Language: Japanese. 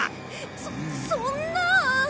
そそんなあ！